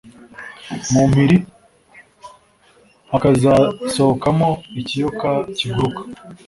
mu mpiri hakazasohokamo ikiyoka kiguruka.